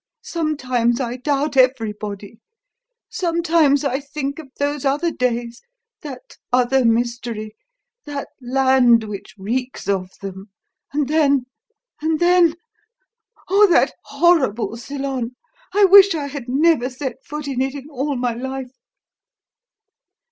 Sometimes I doubt everybody. Sometimes I think of those other days, that other mystery, that land which reeks of them; and then and then Oh, that horrible Ceylon! I wish I had never set foot in it in all my life!"